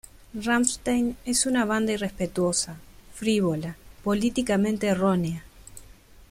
Rammstein es una banda irrespetuosa, frívola, políticamente errónea.